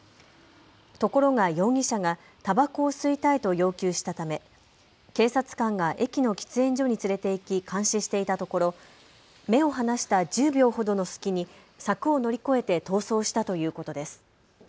ところが容疑者がたばこを吸いたいと要求したため警察官が駅の喫煙所に連れていき監視していたところ、目を離した１０秒ほどの隙に柵を乗り越えて逃走したということです。